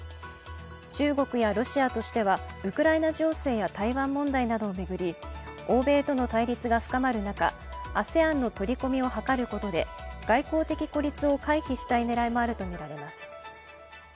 中国やロシアとしてはウクライナ情勢や台湾問題などを巡り欧米との対立が深まる中ＡＳＥＡＮの取り込みを図ることで外交的孤立を回避したい狙いもあるとみられます。